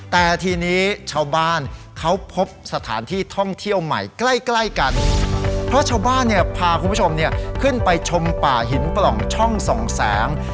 แต่ทีนี้ชาวบ้านเขาพบสถานที่ท่องเที่ยวใหม่ใกล้ใกล้กันเพราะชาวบ้านเนี่ยพาคุณผู้ชมเนี่ยขึ้นไปชมป่าหินปล่องช่องส่องแสง